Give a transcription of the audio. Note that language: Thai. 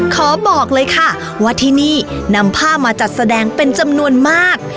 ขอบอกเลยค่ะว่าที่นี่นำผ้ามาจัดแสดงเป็นจำนวนมาก